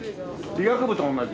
理学部と同じ。